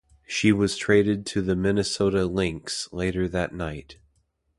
She was traded to the Minnesota Lynx later that night.